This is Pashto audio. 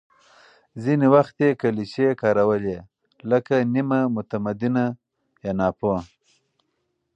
ځینې وخت یې کلیشې کارولې، لکه «نیمه متمدنه» یا «ناپوه».